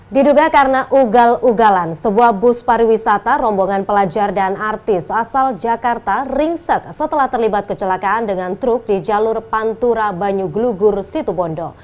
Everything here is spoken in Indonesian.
diduga karena ugal ugalan sebuah bus pariwisata rombongan pelajar dan artis asal jakarta ringsek setelah terlibat kecelakaan dengan truk di jalur pantura banyuglugur situbondo